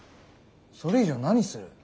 それ以上何する？